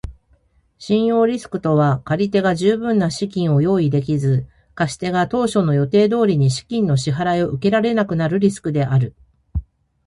信用リスクとは借り手が十分な資金を用意できず、貸し手が当初の予定通りに資金の支払を受けられなくなるリスクである。